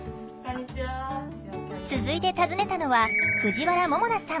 続いて訪ねたのは藤原ももなさん。